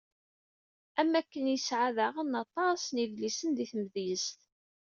Am wakken i yesεa daɣen aṭas n yidlisen di tmedyezt.